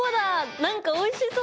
なんかおいしそう！